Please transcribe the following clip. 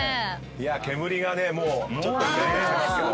煙がねもうちょっとにおいがしてますけど。